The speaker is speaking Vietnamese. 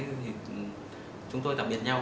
thì chúng tôi tạm biệt nhau